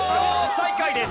最下位です。